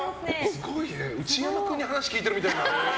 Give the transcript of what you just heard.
すごいな内山君に話聞いてるみたいな。